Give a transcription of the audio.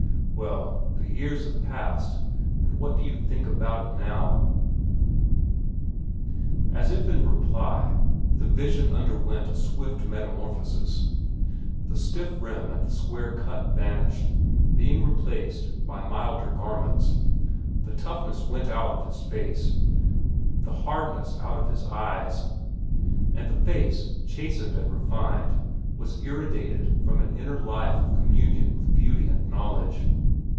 Well, the years have passed, and what do you think about it now?" As if in reply, the vision underwent a swift metamorphosis. The stiff rim and the square cut vanished, being replaced by milder garments; the toughness went out of the face, the hardness out of the eyes; and, the face, chastened and refined, was irradiated from an inner life of communion with beauty and knowledge.